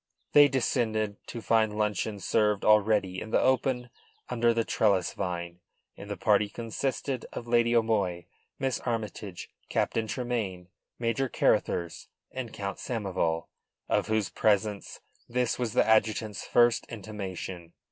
They descended, to find luncheon served already in the open under the trellis vine, and the party consisted of Lady O'Moy, Miss Armytage, Captain Tremayne, Major Carruthers, and Count Samoval, of whose presence this was the adjutant's first intimation.